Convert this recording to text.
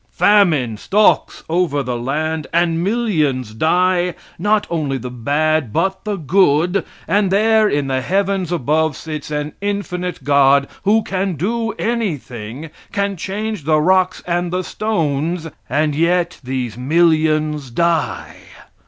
Famine stalks over the land and millions die, not only the bad but the good, and there in the heavens above sits an infinite God who can do anything, can change the rocks and the stones, and yet these millions die.